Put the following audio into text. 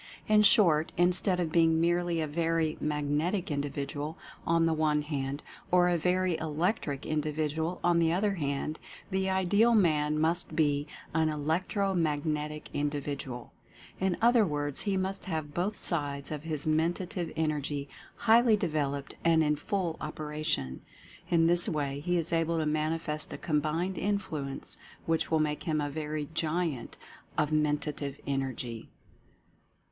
In short, instead of being merely a very "Magnetic" individual, on the one hand, or a very "Electric" individual, on the other hand, the ideal man must be an ELECTRO MAGNETIC INDI VIDUAL. In other words, he must have both sides of his Mentative Energy highly developed and in full operation. In this way he is able to manifest a com bined influence which will make him a very giant of Mentative Energy.